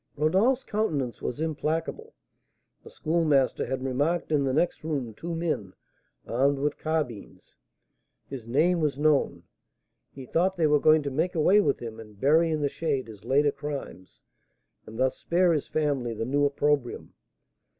Rodolph's countenance was implacable. The Schoolmaster had remarked in the next room two men, armed with carbines. His name was known; he thought they were going to make away with him and bury in the shade his later crimes, and thus spare his family the new opprobrium.